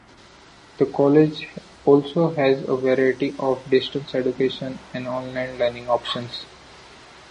The college also has a variety of distance education and online learning options.